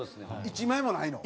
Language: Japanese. １枚もないの？